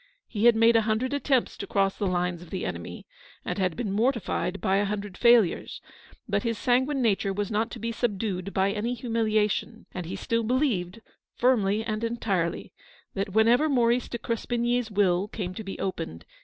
He had made a hundred attempts to cross the lines of the enemy, and had been mortified by a hun dred failures ; but his sanguine nature was not to be subdued by any humiliation, and he still believed, firmly and entirely, that whenever Maurice de Crespigny's will came to be opened, THE STORY OF THE PAST.